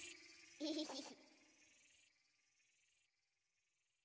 イヒヒヒ。